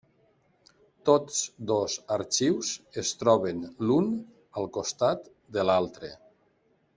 Tots dos arxius es troben l'un al costat de l'altre.